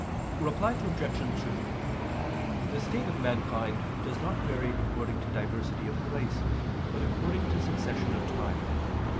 Reply Obj. 2: The state of mankind does not vary according to diversity of place, but according to succession of time.